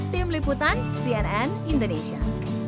tim liputan cnn indonesia